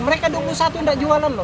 mereka tunggu satu enggak jualan lho